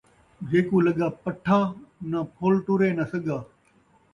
جئیں کوں لڳا پٹھا، ناں پھُل ٹرے ناں سڳا